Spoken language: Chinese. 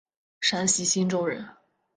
山西忻州人。